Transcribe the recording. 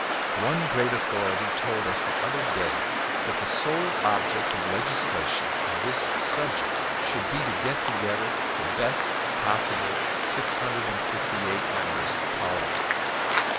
One great authority told us the other day that the sole object of legislation on this subject should be to get together the best possible 658 members of Parliament.